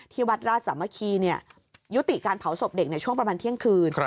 วัดราชสามัคคียุติการเผาศพเด็กในช่วงประมาณเที่ยงคืน